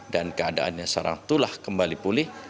dan keadaannya seharusnya kembali pulih